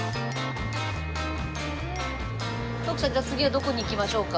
徳さんじゃあ次はどこに行きましょうか？